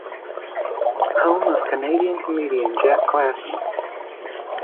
Home of canadian comedian Jack Klassen.